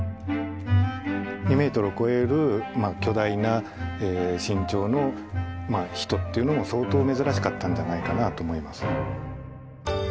２メートルを超える巨大な身長の人っていうのも相当珍しかったんじゃないかなと思います。